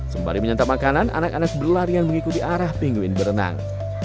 sembari menyantap makanan anak anak berlarian mengikuti arah pinguin berenang